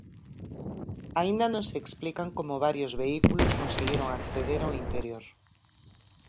Aínda non se explican como varios vehículos conseguiron acceder ao interior.